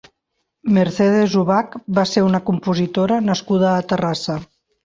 Mercedes Ubach va ser una compositora nascuda a Terrassa.